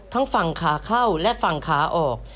ทั้งฝั่งขาเข้าและฝั่งขาออก